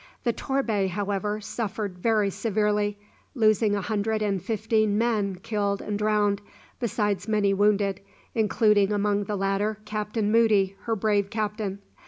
The "Torbay," however, suffered very severely, losing a hundred and fifteen men killed and drowned, besides many wounded, including among the latter Captain Moody, her brave captain.